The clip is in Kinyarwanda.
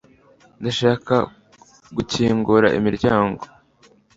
ndashaka gukingura imiryango